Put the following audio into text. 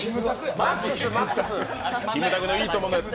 キムタクの「いいとも」のやつ。